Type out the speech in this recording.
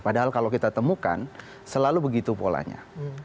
padahal kalau kita temukan selalu begitu polanya